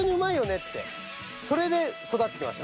ってそれで育ってきました。